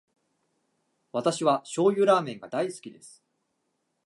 私は醤油ラーメンが大好きです。